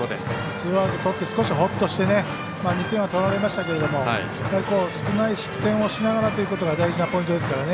ツーアウトとって少し、ほっとして２点は取られましたけども少ない失点をしながらというところが大事なポイントですからね。